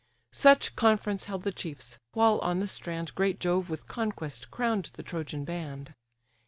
Such conference held the chiefs; while on the strand Great Jove with conquest crown'd the Trojan band.